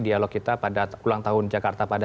dialog kita pada ulang tahun jakarta pada